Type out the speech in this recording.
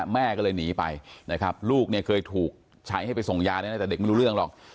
แม่ก็เลยหนีไปลูกเคยถูกใช้ให้ไปส่งยาแต่เด็กไม่รู้เรื่องหรอก